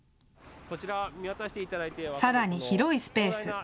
さらに広いスペース。